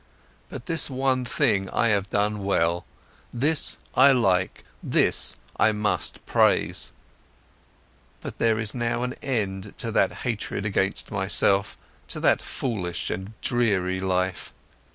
But this one thing I have done well, this I like, this I must praise, that there is now an end to that hatred against myself, to that foolish and dreary life!